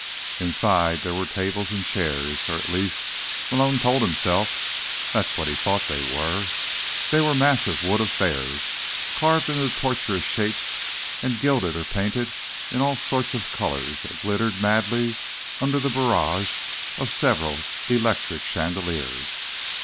Inside, there were tables and chairs—or at least, Malone told himself, that's what he thought they were. They were massive wood affairs, carved into tortuous shapes and gilded or painted in all sorts of colors that glittered madly under the barrage of several electric chandeliers.